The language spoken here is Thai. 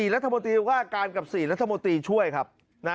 รัฐมนตรีว่าการกับ๔รัฐมนตรีช่วยครับ